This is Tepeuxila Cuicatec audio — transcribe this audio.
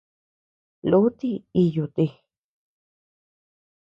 Lúti íyu ti.